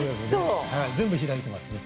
全部開いてますね。